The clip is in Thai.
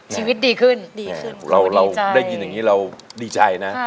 ชีวิตดีขึ้นดีขึ้นเราเราได้ยินอย่างนี้เราดีใจนะ